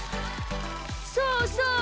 そうそう！